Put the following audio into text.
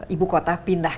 ibu kota pindah